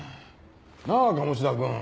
なあ鴨志田君。